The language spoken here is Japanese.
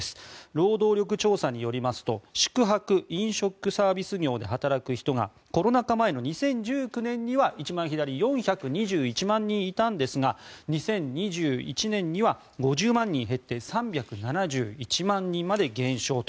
労働力調査によりますと宿泊・飲食サービス業で働く人がコロナ禍前の２０１９年には一番左、４２１万人いたんですが２０２１年には５０万人減って３７１万人まで減少と。